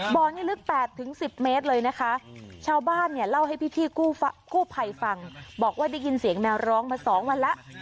บ่อนี้ลึก๘๑๐เมตรเลยนะคะชาวบ้านเนี่ยเล่าให้พี่กู้ภัยฟังบอกว่าได้ยินเสียงแมวร้องมา๒วันแล้ว